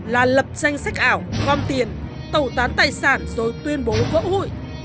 là lập danh sách ảo gom tiền tẩu tán tài sản rồi tuyên bố vỡ hụi